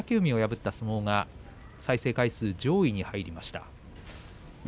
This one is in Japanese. この相撲が再生回数上位に入りました。